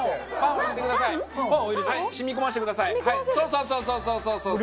そうそうそうそう！